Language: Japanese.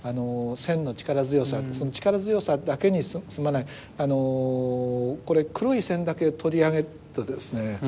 線の力強さ力強さだけに済まないこれ黒い線だけ取り上げるとですね